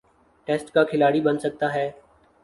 Test کا کھلاڑی بن سکتا ہے۔